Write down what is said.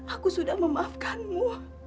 aku sudah memaafkanmu